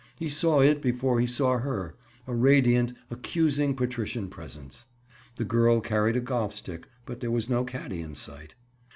He saw it before he saw her—a radiant, accusing patrician presence. The girl carried a golf stick, but there was no caddy in sight. "Mr.